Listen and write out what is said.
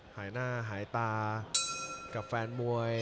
หายหน้าหายตากับแฟนมวย